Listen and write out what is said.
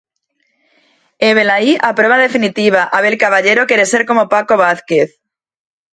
E velaí a proba definitiva: Abel Caballero quere ser como Paco Vázquez.